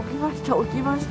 起きました